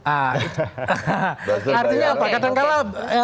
artinya apa kadang kadang